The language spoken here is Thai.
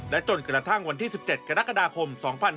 จนกระทั่งวันที่๑๗กรกฎาคม๒๕๕๙